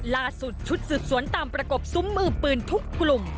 ชุดสืบสวนตามประกบซุ้มมือปืนทุกกลุ่ม